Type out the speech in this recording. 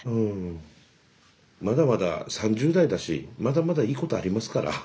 まだまだ３０代だしまだまだいいことありますから。